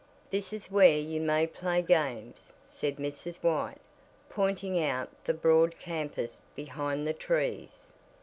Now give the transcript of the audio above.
"This is where you may play games," said Mrs. White, pointing out the broad campus behind the trees.